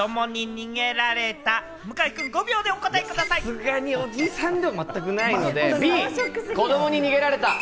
さすがにおじさんではまったくないんで、Ｂ・子どもに逃げられた。